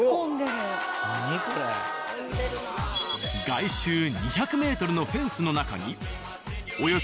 外周２００ｍのフェンスの中に。